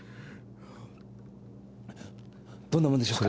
どんなもんでしょうか？